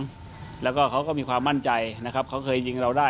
กุญสือทีมชาติไทยเปิดเผยว่าน่าจะไม่มีปัญหาสำหรับเกมในนัดชนะเลิศครับ